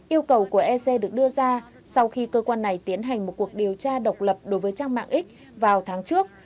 yêu cầu của ec được đưa ra sau khi cơ quan này tiến hành một cuộc điều tra độc lập đối với trang mạng x vào tháng trước